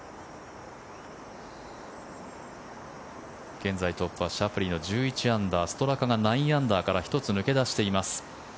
現在、トップはシャフリーの１１アンダーストラカが９アンダーから１つ抜け出しています。